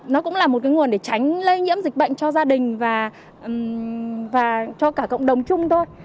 nó cũng là một cái nguồn để tránh lây nhiễm dịch bệnh cho gia đình và cho cả cộng đồng chung thôi